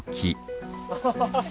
ハハハハ。